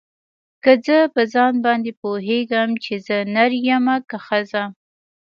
که زه په ځان باندې پوهېږم چې زه نر يمه که ښځه.